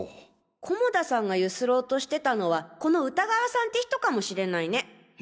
菰田さんがゆすろうとしてたのはこの歌川さんて人かもしれないね。